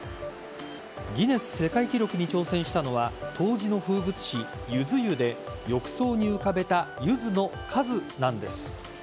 ギネス世界記録に挑戦したのは冬至の風物詩ゆず湯で浴槽に浮かべたゆずの数なんです。